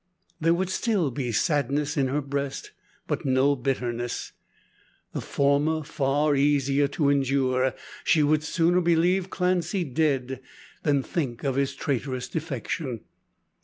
There would still be sadness in her breast, but no bitterness. The former far easier to endure; she would sooner believe Clancy dead, than think of his traitorous defection.